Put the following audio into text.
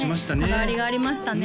こだわりがありましたね